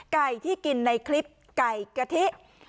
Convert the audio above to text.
ไก่ที่กินในคลิปไก่กะทิ